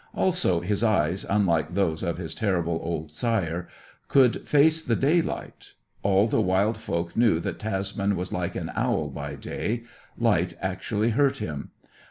Also, his eyes, unlike those of his terrible old sire, could face the daylight. All the wild folk knew that Tasman was like an owl by day; light actually hurt him.